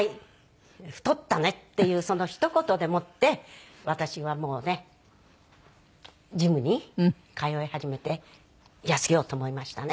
「太ったね」っていうそのひと言でもって私はもうねジムに通い始めて痩せようと思いましたね。